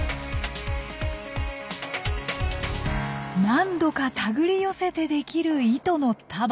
何度か手繰り寄せて出来る糸の束。